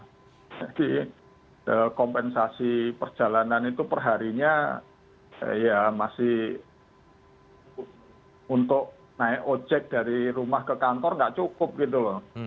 jadi kompensasi perjalanan itu perharinya ya masih untuk naik ojek dari rumah ke kantor nggak cukup gitu loh